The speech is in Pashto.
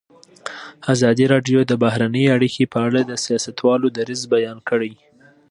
ازادي راډیو د بهرنۍ اړیکې په اړه د سیاستوالو دریځ بیان کړی.